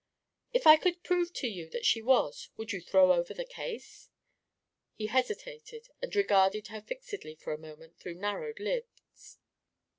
"If I could prove to you that she was, would you throw over the case?" He hesitated and regarded her fixedly for a moment through narrowed lids.